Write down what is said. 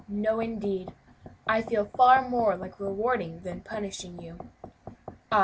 no, indeed, I feel far more like rewarding than punishing you. Ah!